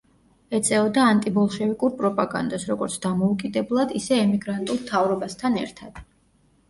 ეწეოდა ანტიბოლშევიკურ პროპაგანდას, როგორც დამოუკიდებლად ისე ემიგრანტულ მთავრობასთან ერთად.